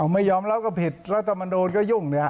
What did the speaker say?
ไม่ยอมรับก็ผิดรัฐธรรมนุนก็ยุ่ง